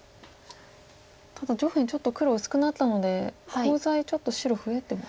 ただ上辺ちょっと黒薄くなったのでコウ材ちょっと白増えてますか？